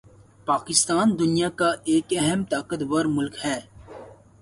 پاکستان دنیا کا ایک اہم طاقتور ملک ہے